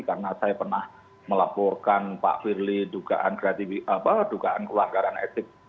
karena saya pernah melaporkan pak firly dugaan kreatif apa dugaan keluarga anak asik